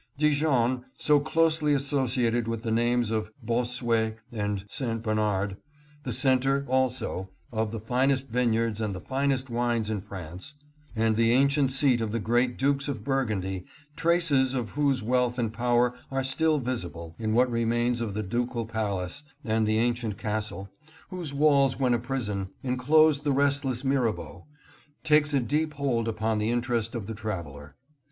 Dijon, so closely associated with the names of Bos suet and St. Bernard, the center, also, of the finest vineyards and the finest wines in France, and the an cient seat of the great dukes of Burgundy, traces , of whose wealth and power are still visible in what remains of the ducal palace and the ancient castle, whose walls when a prison inclosed the restless Mirabeau, takes a deep hold upon the interest of the traveler.